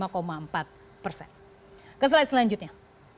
ke slide selanjutnya